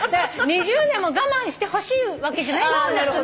２０年も我慢してほしいわけじゃない。